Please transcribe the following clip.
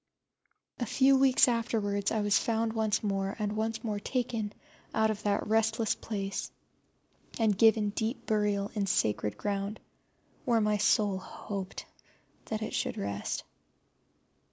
A few weeks afterwards I was found once more, and once more taken out of that restless place and given deep burial in sacred ground, where my soul hoped that it should rest.